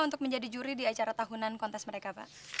untuk menjadi juri di acara tahunan kontes mereka pak